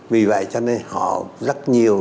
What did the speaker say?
vì vậy cho nên họ rất nhiều